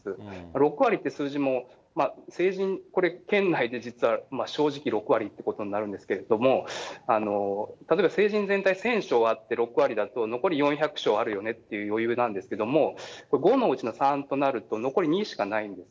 ６割って数字も、成人、県内で実は正直６割ってことになるんですけれども、例えば成人全体１０００床あって６割だと残り４００床あるよねっていう余裕なんですけれども、５のうちの３となると、残り２しかないんです。